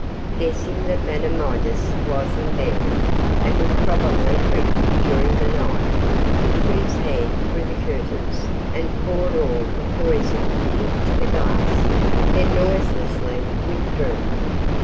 Guessing that Madame Midas was in bed and would probably drink during the night, he put his hand through the curtains and poured all the poison into the glass, then noiselessly withdrew.